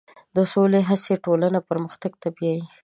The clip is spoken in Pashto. د سولې هڅې ټولنه پرمختګ ته بیایي.